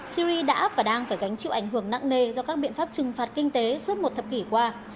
syri đã và đang phải gánh chịu ảnh hưởng nặng nề do các biện pháp trừng phạt kinh tế suốt một thập kỷ qua